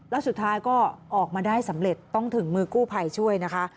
แล้วสุดท้ายก็ออกมาได้สำเร็จต้องถึงมือกู้ภัยช่วยนะคะ